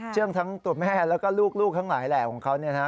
เชื่องทั้งตัวแม่แล้วก็ลูกทั้งหลายแหล่วของเขา